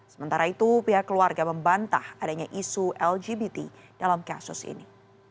sementara itu pihak keluarga membantah adanya isu lgbt dalam kasus ini